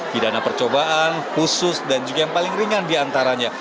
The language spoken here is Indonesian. pidana percobaan khusus dan juga yang paling ringan diantaranya